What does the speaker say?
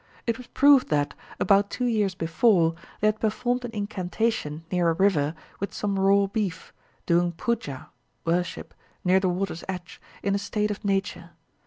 It was proved that, about two years before, they had performed an incantation near a river with some raw beef, doing puja (worship) near the water's edge in a state of nature.